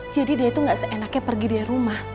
jadi dia itu gak seenaknya pergi dari rumah